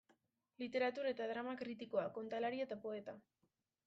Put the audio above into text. Literatur eta drama kritikoa, kontalari eta poeta.